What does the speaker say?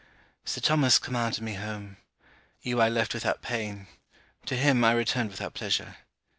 Sir Thomas commanded me home. You I left without pain. To him I returned without pleasure.